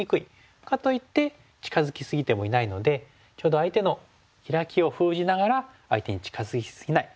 かといって近づき過ぎてもいないのでちょうど相手のヒラキを封じながら相手に近づき過ぎない。